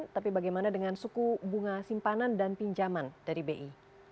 tapi bagaimana dengan suku bunga simpanan dan pinjaman dari bi